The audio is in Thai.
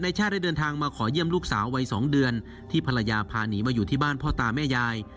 ชาติได้เดินทางมาขอเยี่ยมลูกสาววัย๒เดือนที่ภรรยาพาหนีมาอยู่ที่บ้านพ่อตาแม่ยาย